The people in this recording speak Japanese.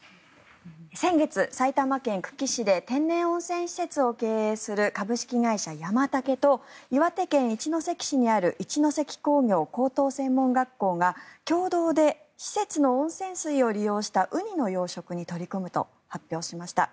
先月、埼玉県久喜市で天然温泉施設を経営する株式会社山竹と岩手県一関市にある一関工業高等専門学校が共同で施設の温泉水を利用したウニの養殖に取り組むと発表しました。